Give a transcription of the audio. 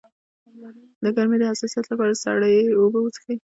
د ګرمۍ د حساسیت لپاره سړې اوبه وڅښئ